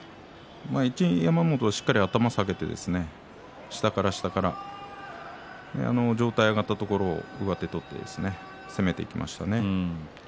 一山本はしっかり頭を下げて下から下から上体が上がったところを上手を取って攻めていきましたね。